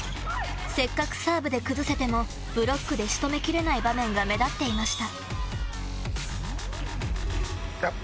せっかくサーブで崩せてもブロックで仕留め切れない場面が目立っていました。